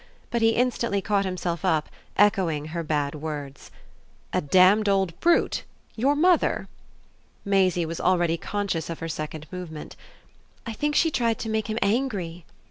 But he instantly caught himself up, echoing her bad words. "A damned old brute your mother?" Maisie was already conscious of her second movement. "I think she tried to make him angry."